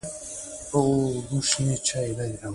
نو ډېر یې خوښ شول لا یې له نایلې سره مینه زیاته شوه.